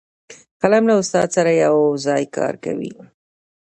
قلم له استاد سره یو ځای کار کوي